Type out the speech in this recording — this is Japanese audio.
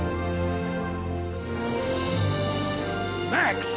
マックス！